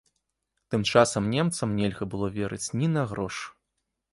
Тым часам немцам нельга было верыць ні на грош.